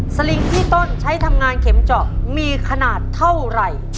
ลิงที่ต้นใช้ทำงานเข็มเจาะมีขนาดเท่าไหร่